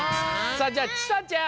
さあじゃあちさちゃん！